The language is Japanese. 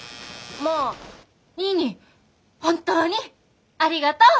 まあニーニー本当にありがとう！